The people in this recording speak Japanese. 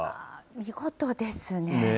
見事ですね。